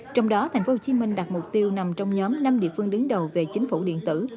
trong đó tp hcm đặt mục tiêu nằm trong nhóm năm địa phương đứng đầu về chính phủ điện tử